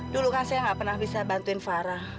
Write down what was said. dulu kan saya nggak pernah bisa bantuin farah